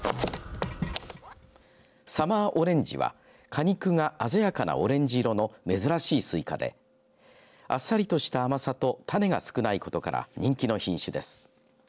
サマーオレンジは果肉が鮮やかなオレンジ色の珍しいスイカであっさりとした甘さと種が少ないことから人気の品種です。